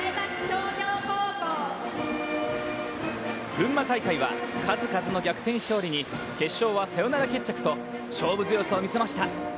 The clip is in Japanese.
群馬大会は数々の逆転勝利に決勝はサヨナラ決着と勝負強さを見せました。